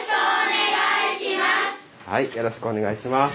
よろしくお願いします。